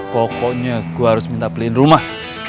pokoknya gue harus minta beliin rumah